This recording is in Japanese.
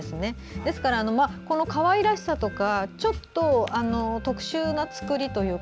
ですから、このかわいらしさとかちょっと特殊な作りというか。